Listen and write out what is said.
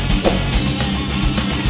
enggak gak lapar